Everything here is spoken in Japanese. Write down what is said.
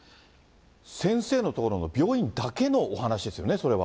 先生のところの病院だけのお話ですよね、それは。